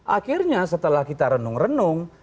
akhirnya setelah kita renung renung